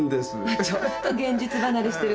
ちょっと現実離れしてるわね。